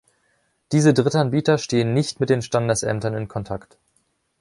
Diese Drittanbieter stehen nicht mit den Standesämtern in Kontakt.